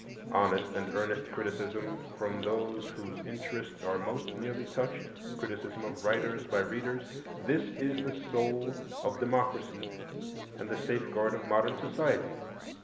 Honest and earnest criticism from those whose interests are most nearly touched,—criticism of writers by readers,—this is the soul of democracy and the safeguard of modern society.